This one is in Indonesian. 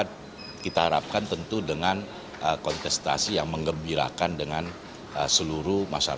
dan kita harapkan tentu dengan kontestasi yang mengembirakan dengan seluruh masyarakat